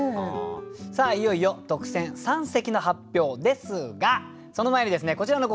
さあいよいよ特選三席の発表ですがその前にですねこちらのコーナー。